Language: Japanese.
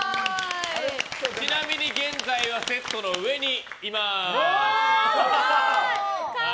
ちなみに現在はセットの上にいます。